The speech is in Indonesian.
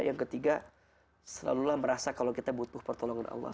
yang ketiga selalulah merasa kalau kita butuh pertolongan allah